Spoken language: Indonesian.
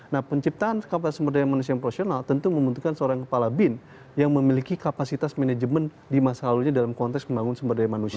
nah penciptaan kapasitas sumber daya manusia yang profesional tentu membutuhkan seorang kepala bin yang memiliki kapasitas manajemen di masa lalunya dalam konteks membangun sumber daya manusia